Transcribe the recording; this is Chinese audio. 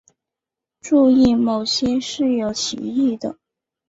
注意某些是有歧义的。